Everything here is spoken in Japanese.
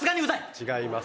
違います。